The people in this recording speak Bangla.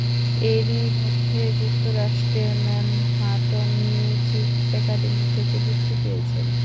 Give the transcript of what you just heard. এরই মধ্যে যুক্তরাষ্ট্রের ম্যানহাটন মিউজিক একাডেমি থেকে বৃত্তি পেয়েছেন।